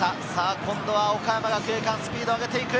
今度は岡山学芸館、スピードを上げていく。